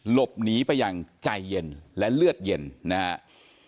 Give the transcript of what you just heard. หลบหนีไปอย่างใจเย็นและเลือดเย็นนะครับ